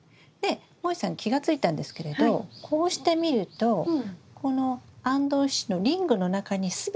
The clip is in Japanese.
もえさん気が付いたんですけれどこうして見るとこのあんどん支柱のリングの中に全ての枝が入ってますよね。